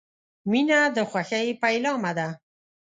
• مینه د خوښۍ پیلامه ده.